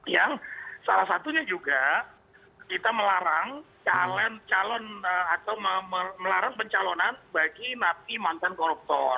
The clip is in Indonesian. yang salah satunya juga kita melarang calon atau melarang pencalonan bagi napi mantan koruptor